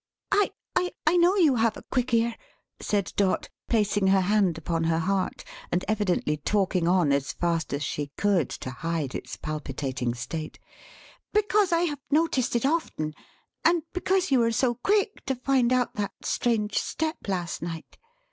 "I I I know you have a quick ear," said Dot, placing her hand upon her heart, and evidently talking on, as fast as she could, to hide its palpitating state, "because I have noticed it often, and because you were so quick to find out that strange step last night.